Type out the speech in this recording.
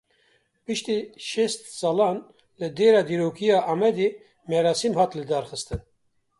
Piştî şêst salan li dêra dîrokî ya Amedê merasîm hat lidarxistin.